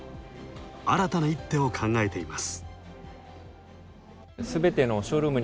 新たな一手を考えています。